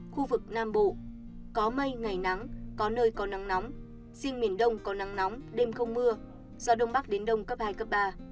khu vực nam bộ có mây ngày nắng có nơi có nắng nóng riêng miền đông có nắng nóng đêm không mưa gió đông bắc đến đông cấp hai cấp ba